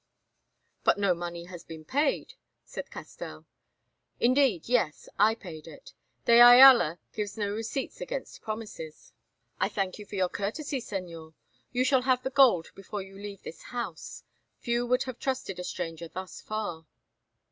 "But no money has been paid," said Castell. "Indeed yes, I paid it. De Ayala gives no receipts against promises." "I thank you for your courtesy, Señor. You shall have the gold before you leave this house. Few would have trusted a stranger thus far."